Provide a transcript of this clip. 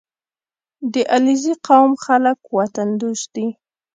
• د علیزي قوم خلک وطن دوست دي.